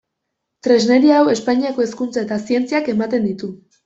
Tresneria hau Espainiako Hezkuntza eta Zientziak ematen ditu.